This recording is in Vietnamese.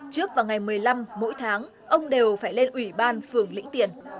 trước vào ngày một mươi năm mỗi tháng ông đều phải lên ủy ban phường lĩnh tiền